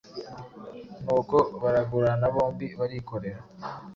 nuko baragurana bombi barikorera,